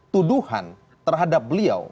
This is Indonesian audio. tuduhan terhadap beliau